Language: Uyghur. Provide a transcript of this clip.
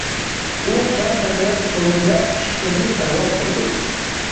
ئۇ كەڭ تەبىئەت قوينىدا قۇش كەبى پەرۋاز قىلدى.